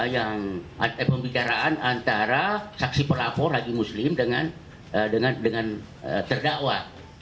yang ada pembicaraan antara saksi pelapor lagi muslim dengan terdakwa